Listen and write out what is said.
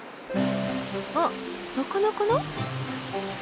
あ魚かな？